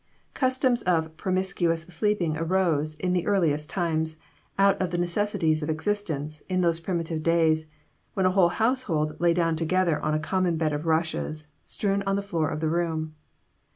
Customs of promiscuous sleeping arose in the earliest times, out of the necessities of existence in those primitive days, when a whole household lay down together on a common bed of rushes strewn on the floor of the room.